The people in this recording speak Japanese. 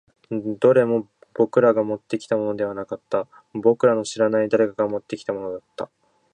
どれも僕らがもってきたものではなかった。僕らの知らない誰かが持ってきたものだった。